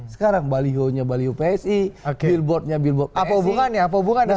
sekarang baliho nya baliho psi bilboardnya bilboard psi apa hubungannya apa hubungannya